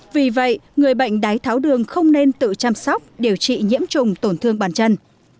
vì vậy người bệnh đái tháo đường không nên tự chăm sóc điều trị nhiễm trùng tổn thương bản chân